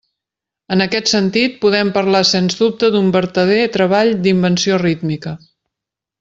En aquest sentit, podem parlar sens dubte d'un vertader treball d'invenció rítmica.